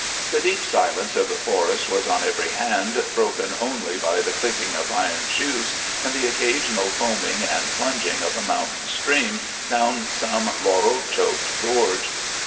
The deep silence of the forest was on every hand, broken only by the clicking of iron shoes and the occasional foaming and plunging of a mountain stream down some laurel choked gorge.